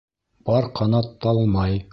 Пар ҡанат талмай.